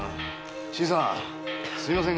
新さんすみませんが。